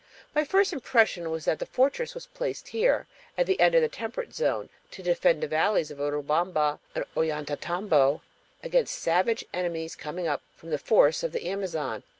My first impression was that the fortress was placed here, at the end of the temperate zone, to defend the valleys of Urubamba and Ollantaytambo against savage enemies coming up from the forests of the Amazon.